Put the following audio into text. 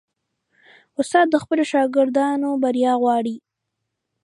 استاد د خپلو شاګردانو بریا غواړي.